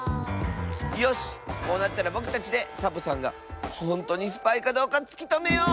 よしこうなったらぼくたちでサボさんがほんとうにスパイかどうかつきとめよう！